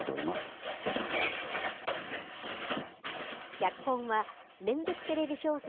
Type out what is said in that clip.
脚本は連続テレビ小説